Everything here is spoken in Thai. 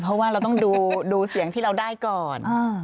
เพราะว่าเราต้องดูเสียงที่เราได้ก่อน